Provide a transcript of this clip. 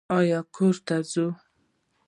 ایا کور ته ځئ؟